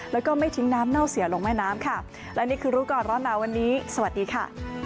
แล้วก็ไม่ทิ้งน้ำเน่าเสียลงแม่น้ำค่ะและนี่คือรู้ก่อนร้อนหนาวันนี้สวัสดีค่ะ